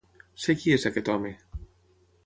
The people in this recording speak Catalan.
Sé qui és aquest home.